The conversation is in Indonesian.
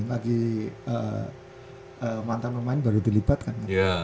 lagi mantan pemain baru dilipat kan